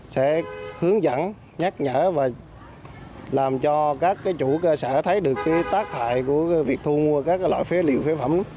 sẽ hướng dẫn nhắc nhở và làm cho các chủ cơ sở thấy được tác hại của việc thu mua các loại phế liệu phế phẩm